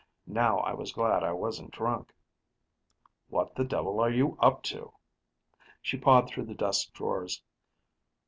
Now I was glad I wasn't drunk. "What the devil are you up to?" She pawed through the desk drawers.